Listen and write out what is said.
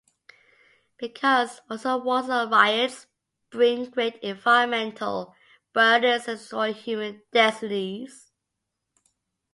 Because also wars and riots bring great environmental burdens and destroy human destinies.